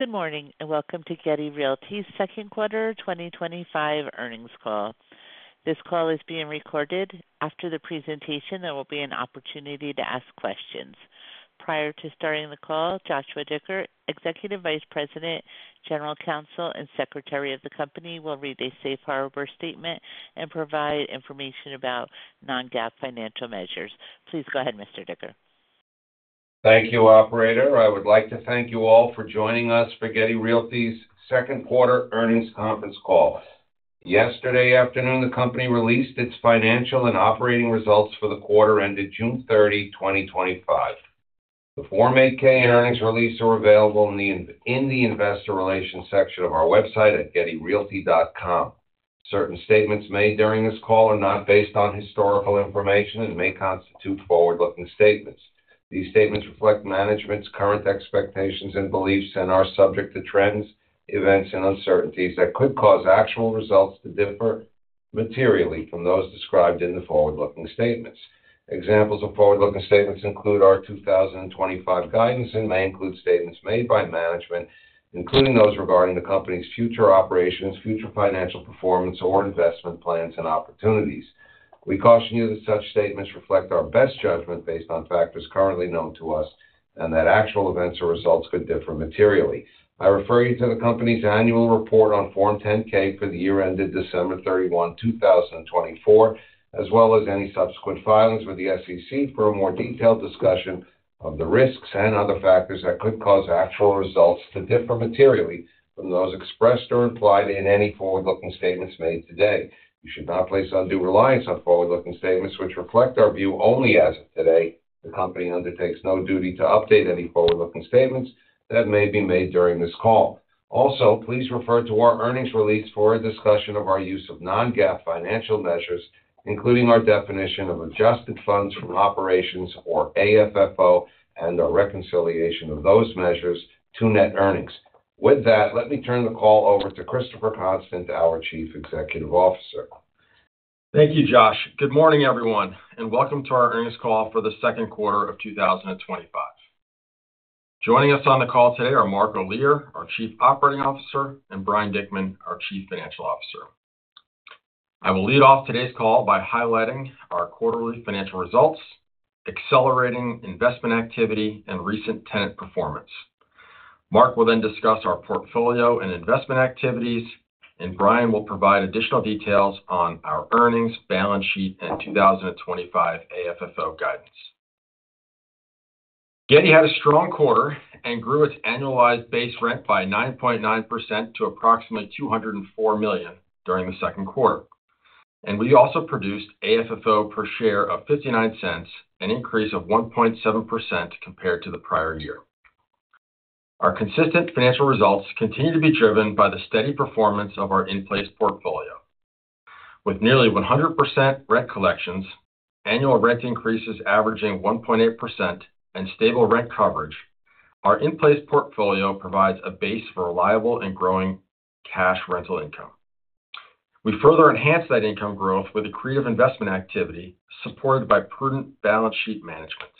Good morning and welcome to Getty Realty's Second Quarter 2025 Earnings Call. This call is being recorded. After the presentation, there will be an opportunity to ask questions. Prior to starting the call, Joshua Dicker, Executive Vice President, General Counsel, and Secretary of the Company, will read a safe harbor statement and provide information about non-GAAP financial measures. Please go ahead, Mr. Dicker. Thank you, Operator. I would like to thank you all for joining us for Getty Realty's second quarter earnings conference call. Yesterday afternoon, the company released its financial and operating results for the quarter ended June 30, 2025. The Form 8-K and earnings release are available in the Investor Relations section of our website at gettyrealty.com. Certain statements made during this call are not based on historical information and may constitute forward-looking statements. These statements reflect management's current expectations and beliefs and are subject to trends, events, and uncertainties that could cause actual results to differ materially from those described in the forward-looking statements. Examples of forward-looking statements include our 2025 guidance and may include statements made by management, including those regarding the company's future operations, future financial performance, or investment plans and opportunities. We caution you that such statements reflect our best judgment based on factors currently known to us and that actual events or results could differ materially. I refer you to the company's annual report on Form 10-K for the year ended December 31, 2024, as well as any subsequent filings with the SEC for a more detailed discussion of the risks and other factors that could cause actual results to differ materially from those expressed or implied in any forward-looking statements made today. You should not place undue reliance on forward-looking statements which reflect our view only as of today. The company undertakes no duty to update any forward-looking statements that may be made during this call. Also, please refer to our earnings release for a discussion of our use of non-GAAP financial measures, including our definition of adjusted funds from operations or AFFO and the reconciliation of those measures to net earnings. With that, let me turn the call over to Christopher Constant, our Chief Executive Officer. Thank you, Josh. Good morning, everyone, and welcome to our earnings call for the second quarter of 2025. Joining us on the call today are Mark Olear, our Chief Operating Officer, and Brian Dickman, our Chief Financial Officer. I will lead off today's call by highlighting our quarterly financial results, accelerating investment activity, and recent tenant performance. Mark will then discuss our portfolio and investment activities, and Brian will provide additional details on our earnings, balance sheet, and 2025 AFFO guidance. Getty had a strong quarter and grew its annualized base rate by 9.9% to approximately $204 million during the second quarter. We also produced AFFO per share of $0.59, an increase of 1.7% compared to the prior year. Our consistent financial results continue to be driven by the steady performance of our in-place portfolio. With nearly 100% rent collections, annual rent increases averaging 1.8%, and stable rent coverage, our in-place portfolio provides a base of reliable and growing cash rental income. We further enhance that income growth with accretive investment activity supported by prudent balance sheet management.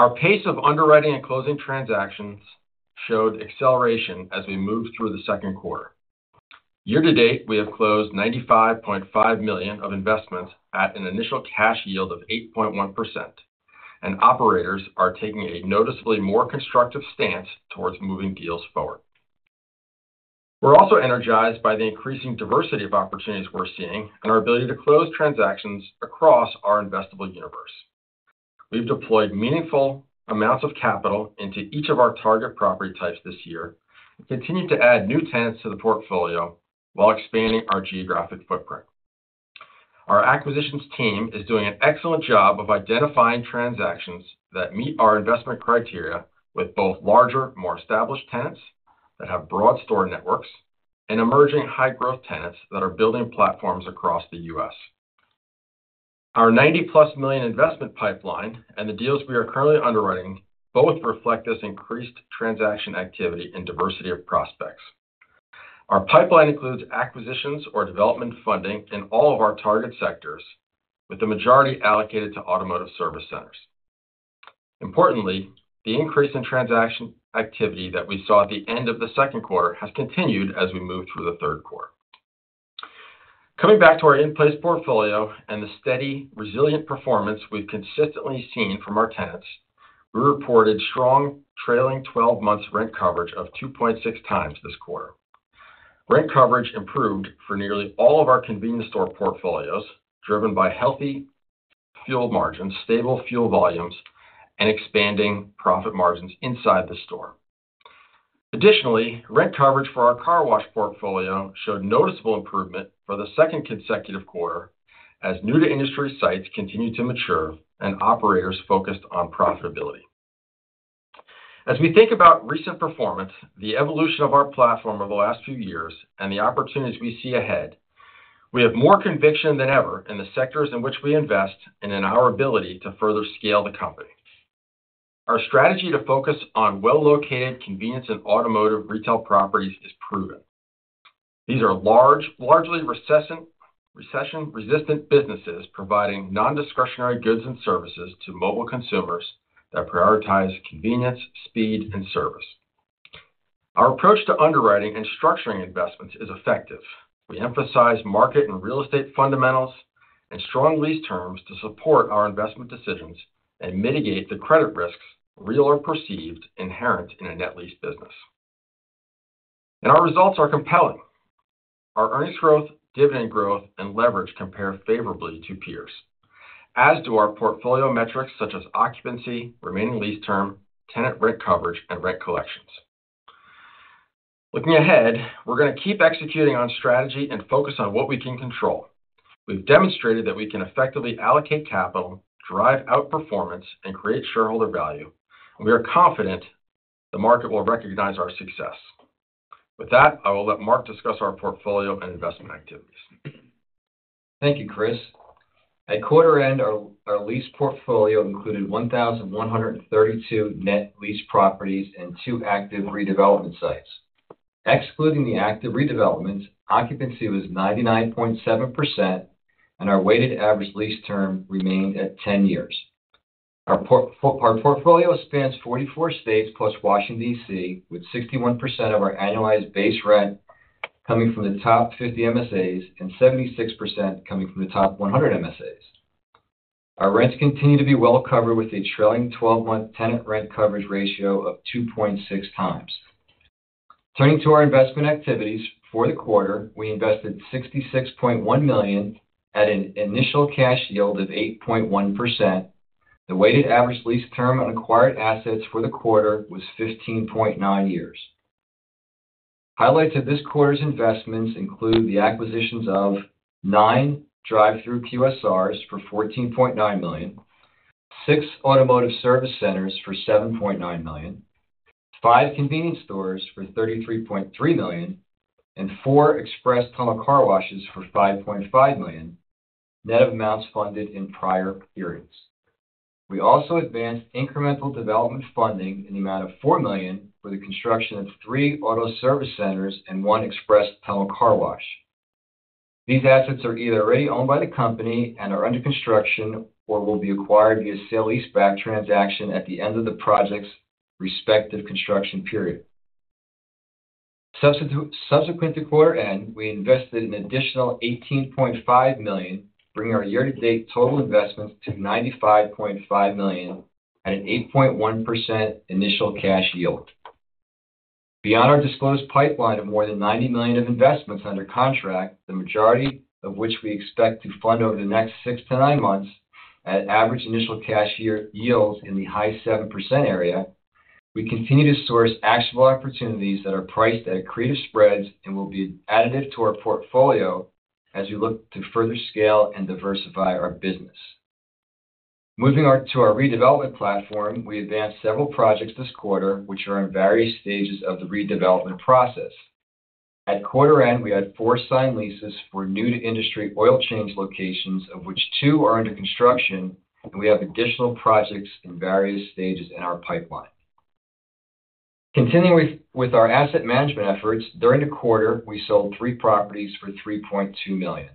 Our pace of underwriting and closing transactions showed acceleration as we moved through the second quarter. Year to date, we have closed $95.5 million of investments at an initial cash yield of 8.1%, and operators are taking a noticeably more constructive stance towards moving deals forward. We are also energized by the increasing diversity of opportunities we are seeing and our ability to close transactions across our investable universe. We have deployed meaningful amounts of capital into each of our target property types this year and continue to add new tenants to the portfolio while expanding our geographic footprint. Our acquisitions team is doing an excellent job of identifying transactions that meet our investment criteria with both larger, more established tenants that have broad store networks and emerging high-growth tenants that are building platforms across the U.S. Our $90+ million investment pipeline and the deals we are currently underwriting both reflect this increased transaction activity and diversity of prospects. Our pipeline includes acquisitions or development funding in all of our target sectors, with the majority allocated to automotive service centers. Importantly, the increase in transaction activity that we saw at the end of the second quarter has continued as we move through the third quarter. Coming back to our in-place portfolio and the steady, resilient performance we've consistently seen from our tenants, we reported strong trailing 12-month rent coverage of 2.6 times this quarter. Rent coverage improved for nearly all of our convenience store portfolios, driven by healthy fuel margins, stable fuel volumes, and expanding profit margins inside the store. Additionally, rent coverage for our car wash portfolio showed noticeable improvement for the second consecutive quarter as new-to-industry sites continue to mature and operators focused on profitability. As we think about recent performance, the evolution of our platform over the last few years, and the opportunities we see ahead, we have more conviction than ever in the sectors in which we invest and in our ability to further scale the company. Our strategy to focus on well-located convenience and automotive retail properties is proven. These are large, largely recession-resistant businesses providing non-discretionary goods and services to mobile consumers that prioritize convenience, speed, and service. Our approach to underwriting and structuring investments is effective. We emphasize market and real estate fundamentals and strong lease terms to support our investment decisions and mitigate the credit risks real or perceived inherent in a net lease business. Our results are compelling. Our earnings growth, dividend growth, and leverage compare favorably to peers, as do our portfolio metrics such as occupancy, remaining lease term, tenant rent coverage, and rent collections. Looking ahead, we're going to keep executing on strategy and focus on what we can control. We've demonstrated that we can effectively allocate capital, drive out performance, and create shareholder value. We are confident the market will recognize our success. With that, I will let Mark discuss our portfolio and investment activities. Thank you, Chris. At quarter end, our lease portfolio included 1,132 net lease properties and two active redevelopment sites. Excluding the active redevelopments, occupancy was 99.7%, and our weighted average lease term remained at 10 years. Our portfolio spans 44 states plus Washington, D.C., with 61% of our annualized base rent coming from the top 50 MSAs and 76% coming from the top 100 MSAs. Our rents continue to be well covered with a trailing 12-month tenant rent coverage ratio of 2.6 times. Turning to our investment activities for the quarter, we invested $66.1 million at an initial cash yield of 8.1%. The weighted average lease term on acquired assets for the quarter was 15.9 years. Highlights of this quarter's investments include the acquisitions of nine drive-through QSRs for $14.9 million, six automotive service centers for $7.9 million, five convenience stores for $33.3 million, and four express tunnel car washes for $5.5 million, net of amounts funded in prior periods. We also advanced incremental development funding in the amount of $4 million for the construction of three auto service centers and one express tunnel car wash. These assets are either already owned by the company and are under construction or will be acquired via sale-leaseback transaction at the end of the project's respective construction period. Subsequent to quarter end, we invested an additional $18.5 million, bringing our year-to-date total investments to $95.5 million at an 8.1% initial cash yield. Beyond our disclosed pipeline of more than $90 million of investments under contract, the majority of which we expect to fund over the next six to nine months at average initial cash yields in the high 7% area, we continue to source actionable opportunities that are priced at creative spreads and will be additive to our portfolio as we look to further scale and diversify our business. Moving to our redevelopment platform, we advanced several projects this quarter which are in various stages of the redevelopment process. At quarter end, we had four signed leases for new-to-industry oil change locations, of which two are under construction, and we have additional projects in various stages in our pipeline. Continuing with our asset management efforts, during the quarter, we sold three properties for $3.2 million.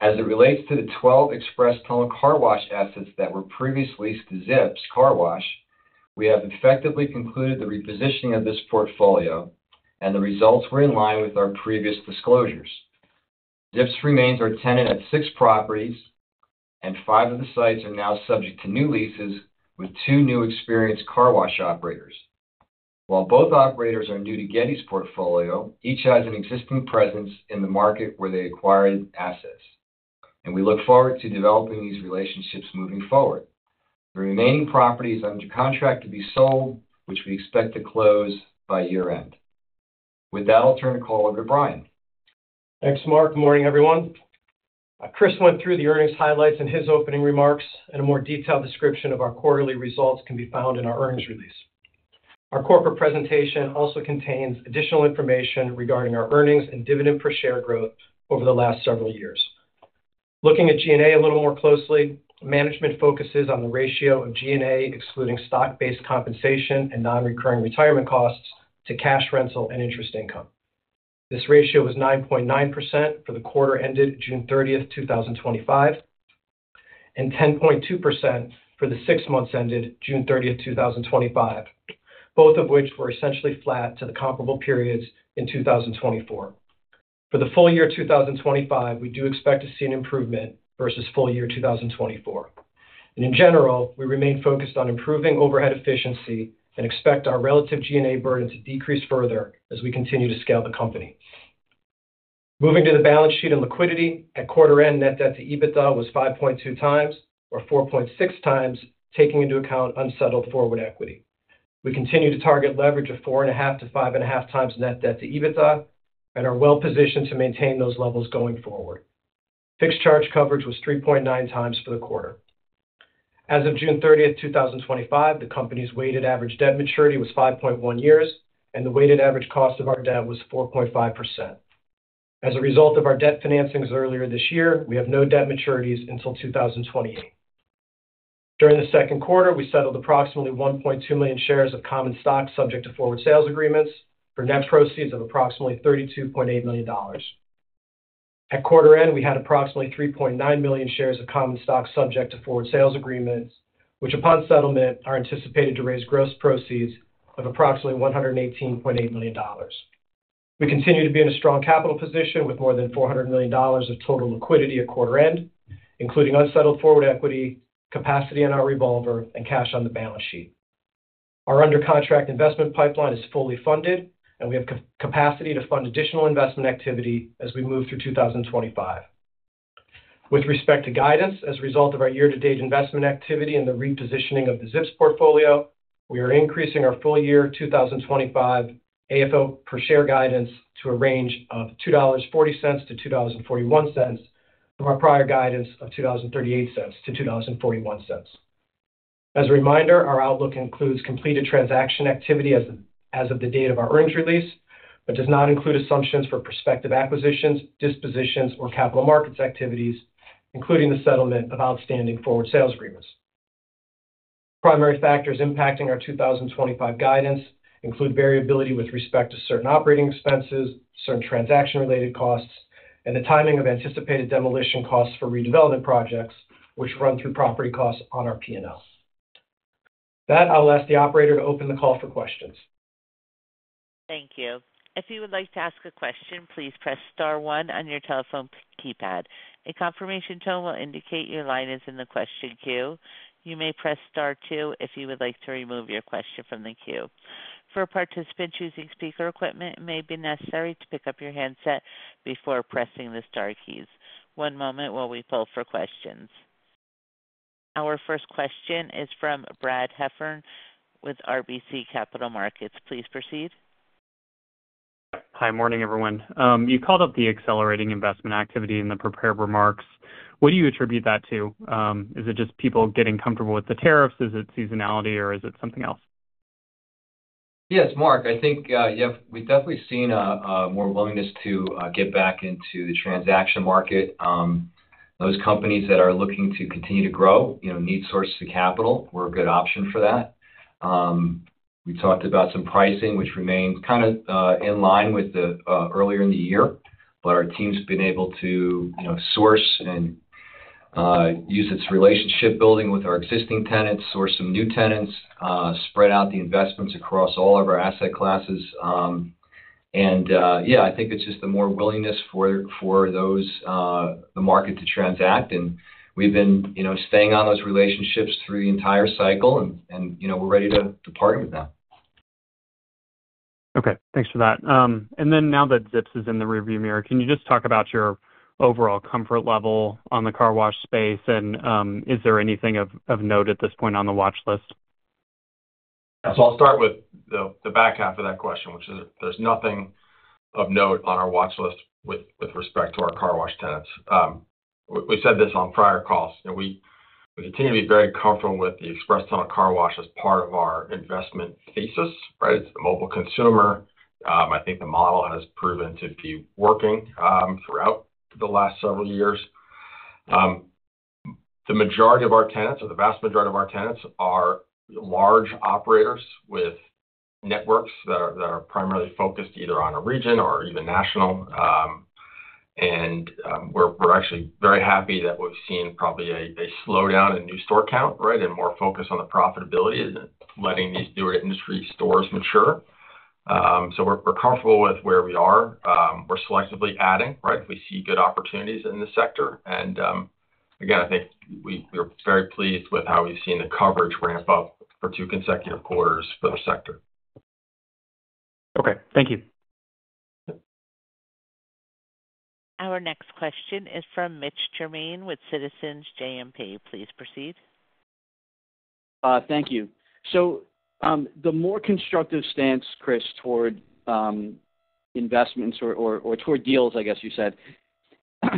As it relates to the 12 express tunnel car wash assets that were previously leased to Zips Car Wash, we have effectively concluded the repositioning of this portfolio, and the results were in line with our previous disclosures. Zips remains our tenant at six properties, and five of the sites are now subject to new leases with two new experienced car wash operators. While both operators are new to Getty's portfolio, each has an existing presence in the market where they acquire assets, and we look forward to developing these relationships moving forward. The remaining property is under contract to be sold, which we expect to close by year-end. With that, I'll turn the call over to Brian. Thanks, Mark. Good morning, everyone. Chris went through the earnings highlights in his opening remarks, and a more detailed description of our quarterly results can be found in our earnings release. Our corporate presentation also contains additional information regarding our earnings and dividend per share growth over the last several years. Looking at G&A a little more closely, management focuses on the ratio of G&A, excluding stock-based compensation and non-recurring retirement costs, to cash rental and interest income. This ratio was 9.9% for the quarter ended June 30, 2025, and 10.2% for the six months ended June 30, 2025, both of which were essentially flat to the comparable periods in 2024. For the full year 2025, we do expect to see an improvement versus full year 2024. In general, we remain focused on improving overhead efficiency and expect our relative G&A burden to decrease further as we continue to scale the company. Moving to the balance sheet and liquidity, at quarter end, net debt to EBITDA was 5.2 times or 4.6 times, taking into account unsettled forward equity. We continue to target leverage of 4.5-5.5 times net debt to EBITDA and are well positioned to maintain those levels going forward. Fixed charge coverage was 3.9 times for the quarter. As of June 30, 2025, the company's weighted average debt maturity was 5.1 years, and the weighted average cost of our debt was 4.5%. As a result of our debt financings earlier this year, we have no debt maturities until 2028. During the second quarter, we settled approximately 1.2 million shares of common stock subject to forward sales agreements for net proceeds of approximately $32.8 million. At quarter end, we had approximately 3.9 million shares of common stock subject to forward sales agreements, which upon settlement are anticipated to raise gross proceeds of approximately $118.8 million. We continue to be in a strong capital position with more than $400 million of total liquidity at quarter end, including unsettled forward equity, capacity in our revolver, and cash on the balance sheet. Our under-contract investment pipeline is fully funded, and we have capacity to fund additional investment activity as we move through 2025. With respect to guidance, as a result of our year-to-date investment activity and the repositioning of the Zips portfolio, we are increasing our full year 2025 AFFO per share guidance to a range of $2.40-$2.41 from our prior guidance of $2.38-$2.41. As a reminder, our outlook includes completed transaction activity as of the date of our earnings release, but does not include assumptions for prospective acquisitions, dispositions, or capital markets activities, including the settlement of outstanding forward sales agreements. Primary factors impacting our 2025 guidance include variability with respect to certain operating expenses, certain transaction-related costs, and the timing of anticipated demolition costs for redevelopment projects, which run through property costs on our P&L. With that, I'll ask the operator to open the call for questions. Thank you. If you would like to ask a question, please press star one on your telephone keypad. A confirmation tone will indicate your line is in the question queue. You may press star two if you would like to remove your question from the queue. For participants using speaker equipment, it may be necessary to pick up your handset before pressing the star keys. One moment while we pull for questions. Our first question is from Brad Heffern with RBC Capital Markets. Please proceed. Hi, morning, everyone. You called up the accelerating investment activity in the prepared remarks. What do you attribute that to? Is it just people getting comfortable with the tariffs? Is it seasonality, or is it something else? Yes, Mark, I think we've definitely seen more willingness to get back into the transaction market. Those companies that are looking to continue to grow need sources of capital. We're a good option for that. We talked about some pricing, which remains kind of in line with earlier in the year, but our team's been able to source and use its relationship building with our existing tenants, source some new tenants, spread out the investments across all of our asset classes. I think it's just the more willingness for the market to transact. We've been staying on those relationships through the entire cycle, and we're ready to partner with them. Okay, thanks for that. Now that Zips is in the rearview mirror, can you just talk about your overall comfort level on the car wash space, and is there anything of note at this point on the watch list? I'll start with the back half of that question, which is there's nothing of note on our watch list with respect to our car wash tenants. We said this on prior calls. We continue to be very comfortable with the express tunnel car wash as part of our investment thesis, right? It's the mobile consumer. I think the model has proven to be working throughout the last several years. The majority of our tenants, or the vast majority of our tenants, are large operators with networks that are primarily focused either on a region or even national. We're actually very happy that we've seen probably a slowdown in new store count, right, and more focus on the profitability and letting these new industry stores mature. We're comfortable with where we are. We're selectively adding, right, if we see good opportunities in the sector. I think we're very pleased with how we've seen the coverage ramp up for two consecutive quarters for our sector. Okay, thank you. Our next question is from Mitch Germain with Citizens JMP. Please proceed. Thank you. The more constructive stance, Chris, toward investments or toward deals, I guess you said,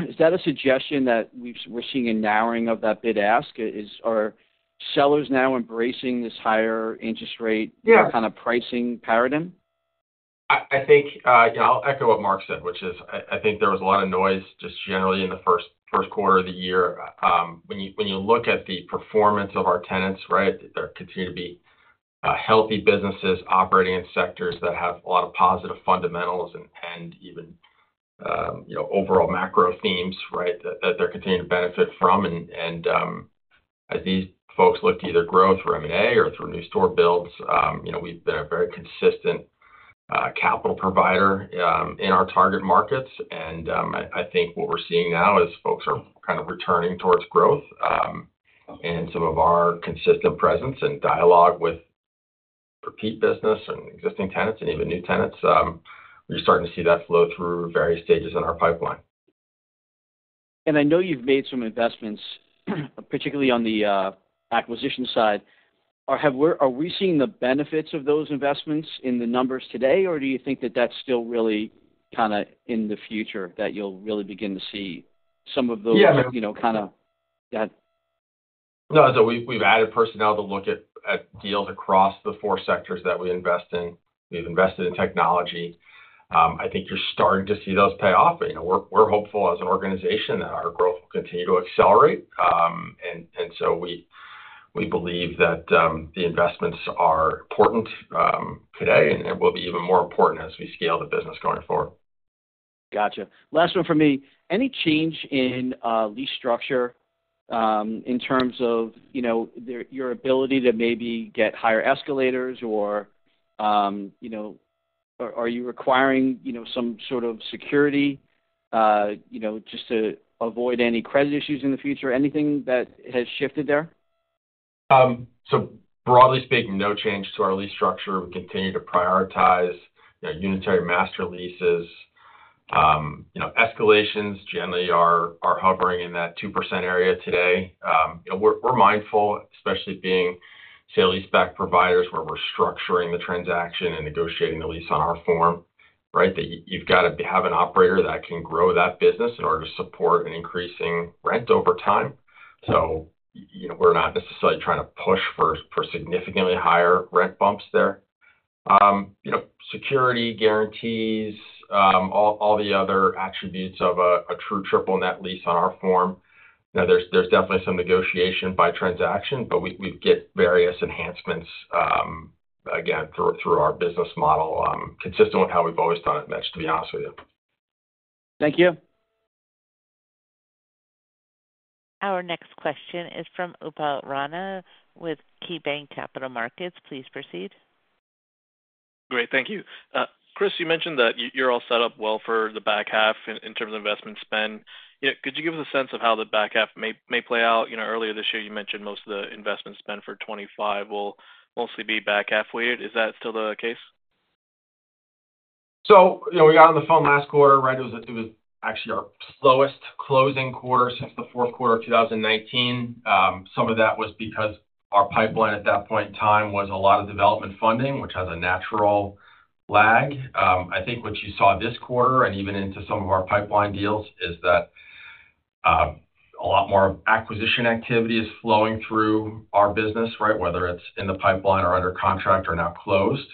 is that a suggestion that we're seeing a narrowing of that bid-ask? Are sellers now embracing this higher interest rate kind of pricing paradigm? I think, yeah, I'll echo what Mark said, which is I think there was a lot of noise just generally in the first quarter of the year. When you look at the performance of our tenants, right, there continue to be healthy businesses operating in sectors that have a lot of positive fundamentals and even, you know, overall macro themes, right, that they're continuing to benefit from. These folks look to either grow through M&A or through new store builds. We've been a very consistent capital provider in our target markets. I think what we're seeing now is folks are kind of returning towards growth. Some of our consistent presence and dialogue with repeat business and existing tenants and even new tenants, you're starting to see that flow through various stages in our pipeline. I know you've made some investments, particularly on the acquisition side. Are we seeing the benefits of those investments in the numbers today, or do you think that that's still really kind of in the future that you'll really begin to see some of those? Yeah. No, we've added personnel to look at deals across the four sectors that we invest in. We've invested in technology. I think you're starting to see those pay off. We're hopeful as an organization that our growth will continue to accelerate. We believe that the investments are important today and will be even more important as we scale the business going forward. Gotcha. Last one from me. Any change in lease structure in terms of, you know, your ability to maybe get higher escalators, or, you know, are you requiring, you know, some sort of security, you know, just to avoid any credit issues in the future? Anything that has shifted there? Broadly speaking, no change to our lease structure. We continue to prioritize, you know, unitary master leases. Escalations generally are hovering in that 2% area today. We're mindful, especially being sale-leaseback providers where we're structuring the transaction and negotiating the lease on our form, right, that you've got to have an operator that can grow that business in order to support an increasing rent over time. We're not necessarily trying to push for significantly higher rent bumps there. Security, guarantees, all the other attributes of a true triple net lease on our form. There's definitely some negotiation by transaction, but we get various enhancements, again, through our business model, consistent with how we've always done it, Mitch, to be honest with you. Thank you. Our next question is from Upal Rana with KeyBanc Capital Markets. Please proceed. Great, thank you. Chris, you mentioned that you're all set up well for the back half in terms of investment spend. Could you give us a sense of how the back half may play out? Earlier this year, you mentioned most of the investment spend for 2025 will mostly be back half weighted. Is that still the case? You know, we got on the phone last quarter, right? It was actually our slowest closing quarter since the fourth quarter of 2019. Some of that was because our pipeline at that point in time was a lot of development funding, which has a natural lag. I think what you saw this quarter and even into some of our pipeline deals is that a lot more acquisition activity is flowing through our business, right, whether it's in the pipeline or under contract or now closed.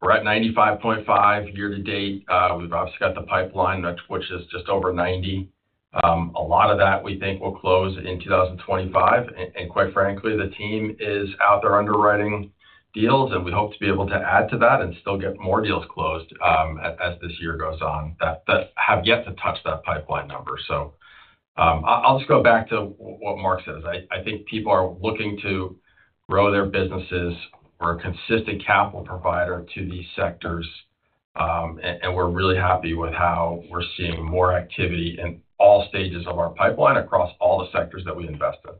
We're at $95.5 million year to date. We've obviously got the pipeline, which is just over $90 million. A lot of that we think will close in 2025. Quite frankly, the team is out there underwriting deals, and we hope to be able to add to that and still get more deals closed as this year goes on that have yet to touch that pipeline number. I'll just go back to what Mark says. I think people are looking to grow their businesses. We're a consistent capital provider to these sectors, and we're really happy with how we're seeing more activity in all stages of our pipeline across all the sectors that we invest in.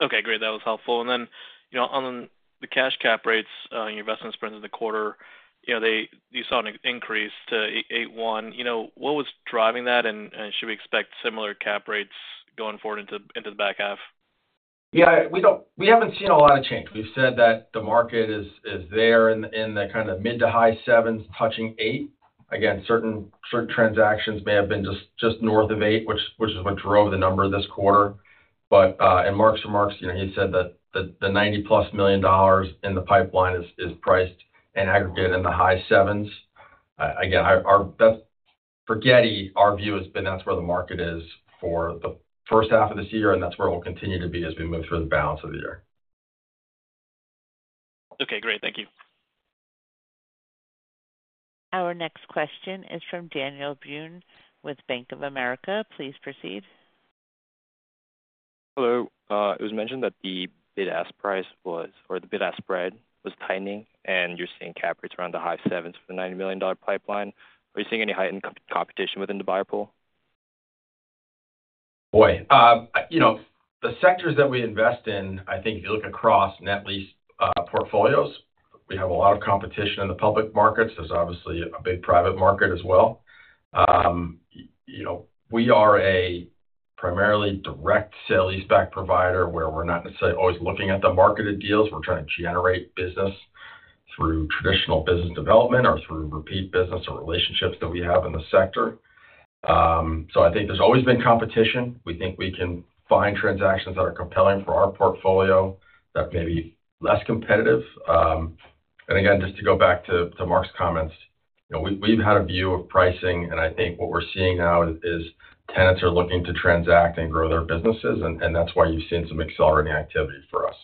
Okay, great. That was helpful. On the cash cap rates and your investment spend in the quarter, you saw an increase to 8.1%. What was driving that, and should we expect similar cap rates going forward into the back half? Yeah, we don't, we haven't seen a lot of change. We've said that the market is there in the kind of mid to high 7%s touching 8%. Certain transactions may have been just north of 8%, which is what drove the number this quarter. In Mark's remarks, he said that the $90+ million in the pipeline is priced and aggregated in the high 7%s. For Getty, our view has been that's where the market is for the first half of this year, and that's where it will continue to be as we move through the balance of the year. Okay, great. Thank you. Our next question is from Daniel Byrne with Bank of America. Please proceed. Hello. It was mentioned that the bid-ask spread was tightening, and you're seeing cap rates around the high 7%s for the $90 million pipeline. Are you seeing any heightened competition within the buyer pool? The sectors that we invest in, I think if you look across net lease portfolios, we have a lot of competition in the public markets. There's obviously a big private market as well. We are a primarily direct sale-leaseback provider where we're not necessarily always looking at the marketed deals. We're trying to generate business through traditional business development or through repeat business or relationships that we have in the sector. I think there's always been competition. We think we can find transactions that are compelling for our portfolio that may be less competitive. Just to go back to Mark's comments, we've had a view of pricing, and I think what we're seeing now is tenants are looking to transact and grow their businesses, and that's why you've seen some accelerating activity for us.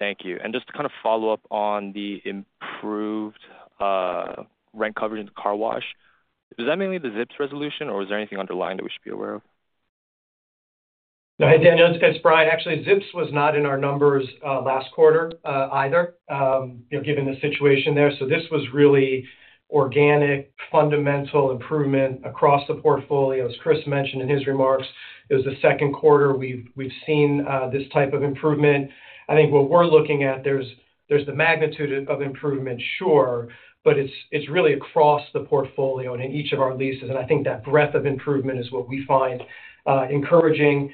Thank you. Just to kind of follow up on the improved rent coverage in the car wash, is that mainly the Zips resolution, or is there anything underlying that we should be aware of? No, Daniel, it's Brian. Actually, Zips was not in our numbers last quarter either, you know, given the situation there. This was really organic, fundamental improvement across the portfolios. Chris mentioned in his remarks it was the second quarter we've seen this type of improvement. I think what we're looking at, there's the magnitude of improvement, sure, but it's really across the portfolio and in each of our leases. I think that breadth of improvement is what we find encouraging.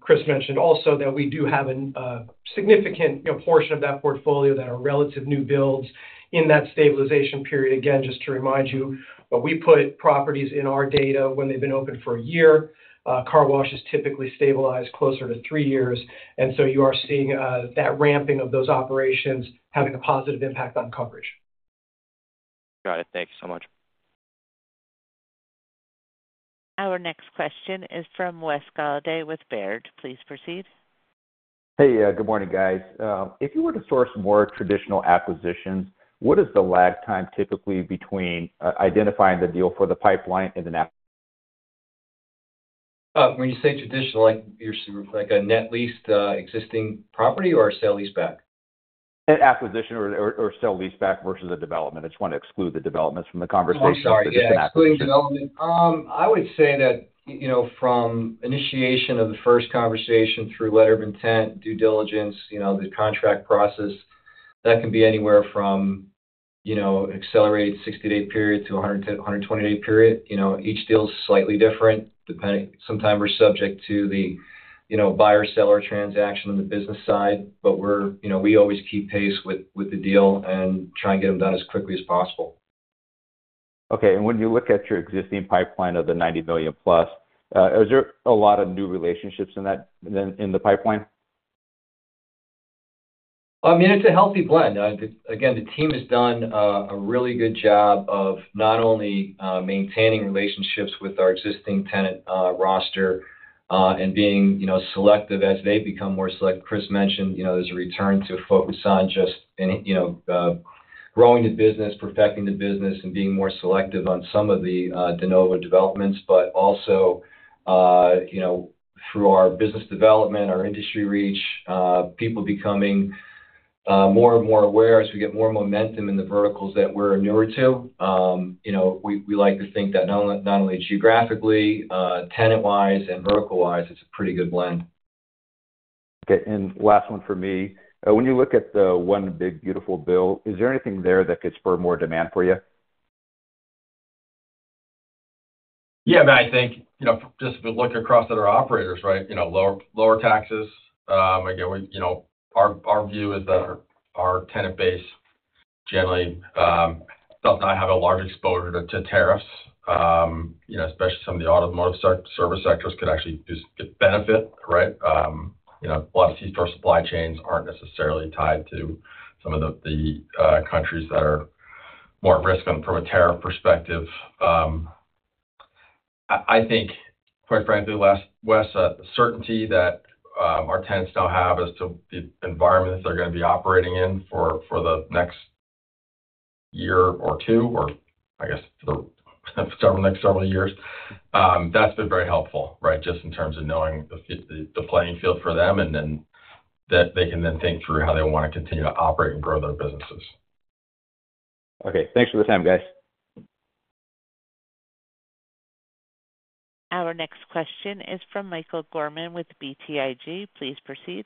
Chris mentioned also that we do have a significant portion of that portfolio that are relative new builds in that stabilization period. Again, just to remind you, we put properties in our data when they've been open for a year. Car washes typically stabilize closer to three years, and you are seeing that ramping of those operations having a positive impact on coverage. Got it. Thank you so much. Our next question is from Wes Golladay with Baird. Please proceed. Hey, good morning, guys. If you were to source more traditional acquisitions, what is the lag time typically between identifying the deal for the pipeline and an acquisition? When you say traditional, like you're like a net lease existing property or a sale-leaseback? An acquisition or sale-leaseback versus a development. I just want to exclude the developments from the conversation. Oh, sorry. Excluding development, I would say that from initiation of the first conversation through letter of intent, due diligence, the contract process, that can be anywhere from an accelerated 60-day period to a 120-day period. Each deal is slightly different. Sometimes we're subject to the buyer-seller transaction on the business side, but we always keep pace with the deal and try and get them done as quickly as possible. Okay. When you look at your existing pipeline of the $90 million plus, is there a lot of new relationships in that pipeline? I mean, it's a healthy blend. The team has done a really good job of not only maintaining relationships with our existing tenant roster and being, you know, selective as they become more selective. Chris mentioned there's a return to focus on just, you know, growing the business, perfecting the business, and being more selective on some of the de novo developments, but also through our business development, our industry reach, people becoming more and more aware. We get more momentum in the verticals that we're newer to. We like to think that not only geographically, tenant-wise and vertical-wise, it's a pretty good blend. Okay. Last one for me. When you look at the One Big Beautiful Build, is there anything there that could spur more demand for you? Yeah, I mean, I think, just if we look across at our operators, right, lower taxes. Again, our view is that our tenant base generally does not have a large exposure to tariffs. Especially some of the automotive service sectors could actually just get benefit, right? A lot of C-store supply chains aren't necessarily tied to some of the countries that are more at risk from a tariff perspective. I think, quite frankly, Wes said the certainty that our tenants now have as to the environment that they're going to be operating in for the next year or two, or I guess for the next several years, that's been very helpful, just in terms of knowing the playing field for them and then that they can then think through how they want to continue to operate and grow their businesses. Okay. Thanks for the time, guys. Our next question is from Michael Gorman with BTIG. Please proceed.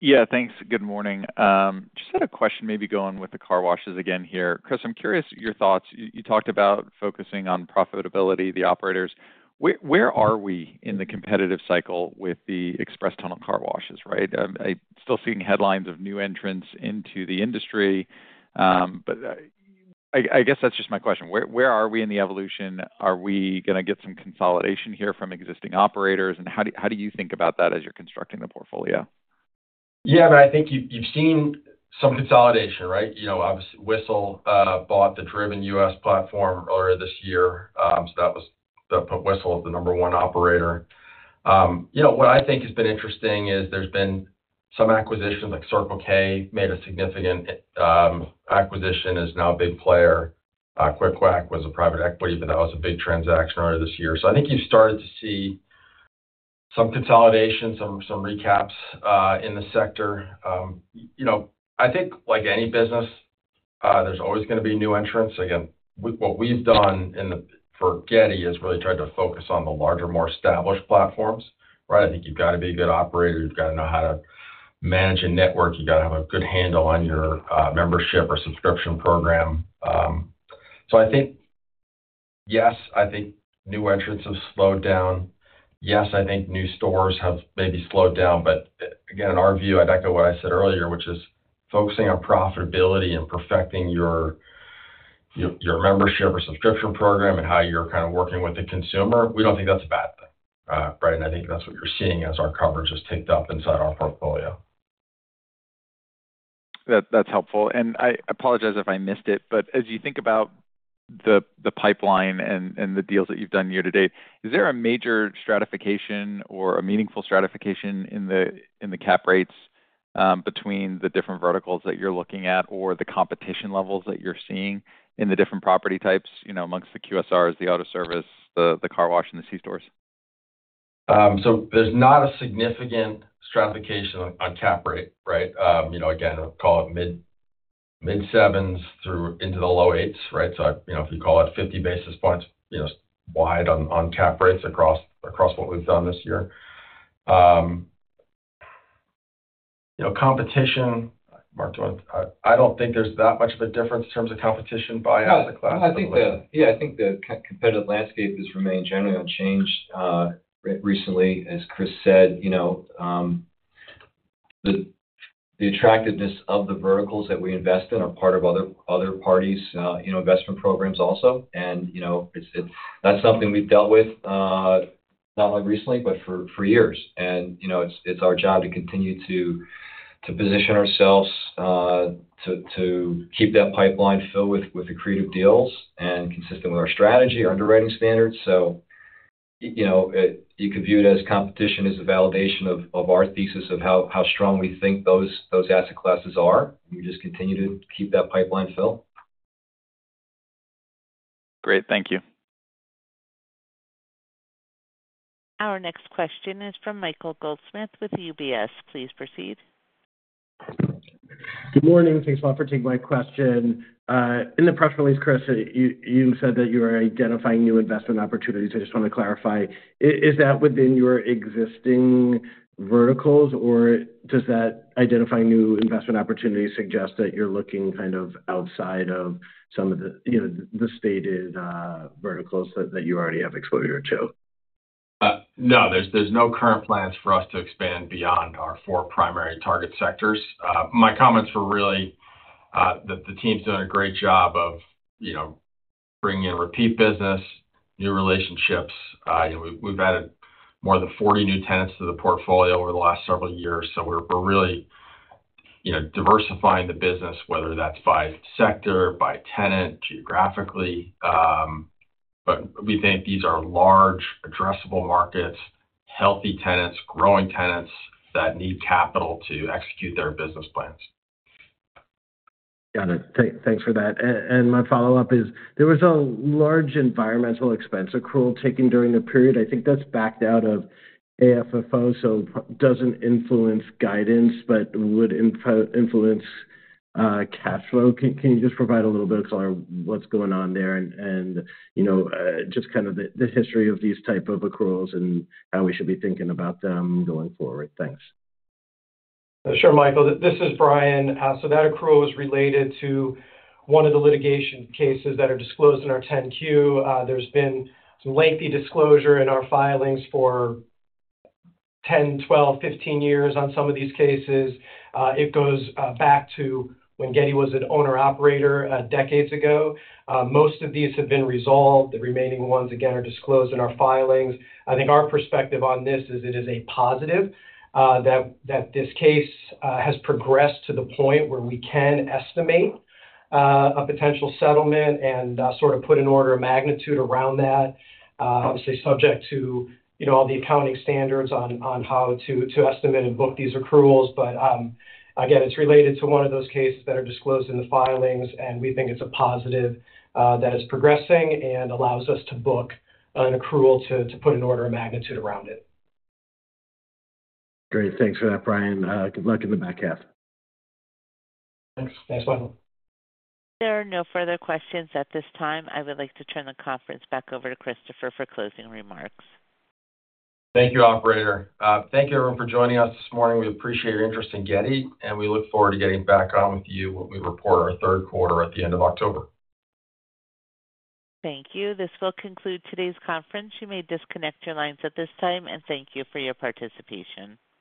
Yeah, thanks. Good morning. Just had a question maybe going with the car washes again here. Chris, I'm curious your thoughts. You talked about focusing on profitability, the operators. Where are we in the competitive cycle with the express tunnel car washes, right? I'm still seeing headlines of new entrants into the industry, but I guess that's just my question. Where are we in the evolution? Are we going to get some consolidation here from existing operators? How do you think about that as you're constructing the portfolio? Yeah, I mean, I think you've seen some consolidation, right? Obviously, Whistle bought the Driven US platform earlier this year. That put Whistle at the number one operator. What I think has been interesting is there's been some acquisitions, like Circle K made a significant acquisition and is now a big player. Quick Quack was a private equity, but that was a big transaction earlier this year. I think you've started to see some consolidation and some recaps in the sector. I think like any business, there's always going to be new entrants. What we've done for Getty is really tried to focus on the larger, more established platforms, right? I think you've got to be a good operator. You've got to know how to manage a network. You've got to have a good handle on your membership or subscription program. I think, yes, new entrants have slowed down. Yes, new stores have maybe slowed down. In our view, I'd echo what I said earlier, which is focusing on profitability and perfecting your membership or subscription program and how you're kind of working with the consumer. We don't think that's a bad thing, right? I think that's what you're seeing as our coverage has ticked up inside our portfolio. That's helpful. I apologize if I missed it, but as you think about the pipeline and the deals that you've done year to date, is there a major stratification or a meaningful stratification in the cap rates between the different verticals that you're looking at or the competition levels that you're seeing in the different property types, you know, amongst the QSRs, the auto service, the car wash, and the C stores? There's not a significant stratification on cap rate, right? Again, I'd call it mid-sevens through into the low eights, right? If you call it 50 basis points wide on cap rates across what we've done this year, competition, Mark, I don't think there's that much of a difference in terms of competition by asset class. I think the competitive landscape has remained generally unchanged recently. As Chris said, the attractiveness of the verticals that we invest in are part of other parties' investment programs also. That's something we've dealt with not only recently, but for years. It's our job to continue to position ourselves to keep that pipeline filled with the creative deals and consistent with our strategy, our underwriting standards. You could view it as competition is a validation of our thesis of how strong we think those asset classes are. We just continue to keep that pipeline filled. Great, thank you. Our next question is from Michael Goldsmith with UBS. Please proceed. Good morning. Thanks a lot for taking my question. In the press release, Chris, you said that you were identifying new investment opportunities. I just want to clarify, is that within your existing verticals, or does that identifying new investment opportunities suggest that you're looking kind of outside of some of the, you know, the stated verticals that you already have exposure to? No, there's no current plans for us to expand beyond our four primary target sectors. My comments were really that the team's done a great job of bringing in repeat business, new relationships. We've added more than 40 new tenants to the portfolio over the last several years. We're really diversifying the business, whether that's by sector, by tenant, geographically. We think these are large, addressable markets, healthy tenants, growing tenants that need capital to execute their business plans. Got it. Thanks for that. My follow-up is there was a large environmental expense accrual taken during the period. I think that's backed out of AFFO, so it doesn't influence guidance, but would influence cash flow. Can you just provide a little bit of what's going on there and, you know, just kind of the history of these types of accruals and how we should be thinking about them going forward? Thanks. Sure, Michael. This is Brian. That accrual is related to one of the litigation cases that are disclosed in our 10-Q. There has been some lengthy disclosure in our filings for 10, 12, 15 years on some of these cases. It goes back to when Getty was an owner-operator decades ago. Most of these have been resolved. The remaining ones, again, are disclosed in our filings. I think our perspective on this is it is a positive that this case has progressed to the point where we can estimate a potential settlement and sort of put an order of magnitude around that. Obviously, subject to all the accounting standards on how to estimate and book these accruals. Again, it's related to one of those cases that are disclosed in the filings, and we think it's a positive that it's progressing and allows us to book an accrual to put an order of magnitude around it. Great. Thanks for that, Brian. Good luck in the back half. Thanks, Michael. There are no further questions at this time. I would like to turn the conference back over to Christopher for closing remarks. Thank you, operator. Thank you, everyone, for joining us this morning. We appreciate your interest in Getty, and we look forward to getting back on with you when we report our third quarter at the end of October. Thank you. This will conclude today's conference. You may disconnect your lines at this time, and thank you for your participation.